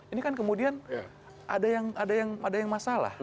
ini kan kemudian ada yang masalah